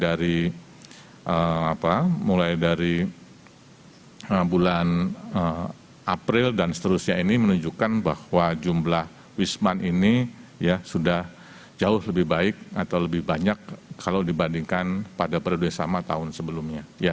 dan tahun dua ribu dua puluh dua mulai dari bulan april dan seterusnya ini menunjukkan bahwa jumlah wisman ini sudah jauh lebih baik atau lebih banyak kalau dibandingkan pada periode yang sama tahun sebelumnya